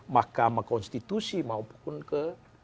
mahkamah konstitusi maupun ke